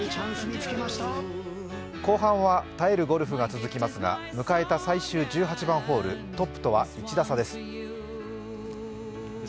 後半は耐えるゴルフが続きますが、迎えた最終１８番ホール、トップとは１打差です。